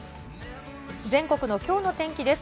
全国のきょうの天気です。